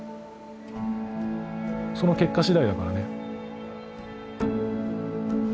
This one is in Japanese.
その結果次第だからね。